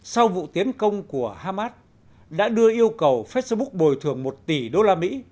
sau vụ tiến công của hamas đã đưa yêu cầu facebook bồi thường một tỷ usd